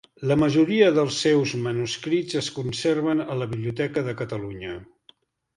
La majoria dels seus manuscrits es conserven a la Biblioteca de Catalunya.